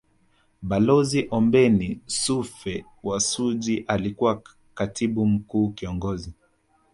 Balozi Ombeni Sefue wa Suji alikuwa Katibu mkuu Kiongozi